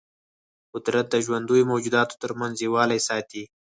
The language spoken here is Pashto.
قدرت د ژوندیو موجوداتو ترمنځ یووالی ساتي.